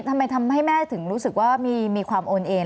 ทำไมทำให้แม่ถึงรู้สึกว่ามีความโอนเอน